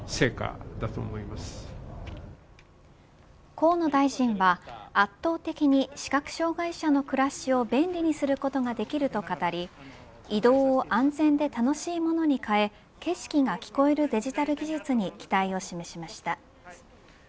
河野大臣は圧倒的に、視覚障害者の暮らしを便利にすることができると語り移動を安全で楽しいものに変え景色が聞こえるデジタル技術に期待を示しました。